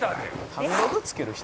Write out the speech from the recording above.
「食べログつける人」